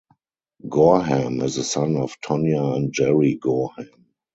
Gorham is the son of Tonya and Jerry Gorham.